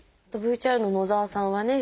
ＶＴＲの野澤さんはね